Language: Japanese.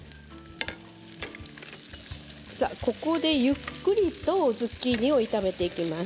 ここで、ゆっくりとズッキーニを炒めていきます。